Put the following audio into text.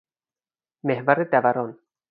محور دوران